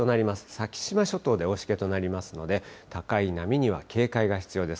先島諸島で大しけとなりますので、高い波には警戒が必要です。